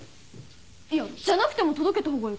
いやじゃなくても届けた方がよくない？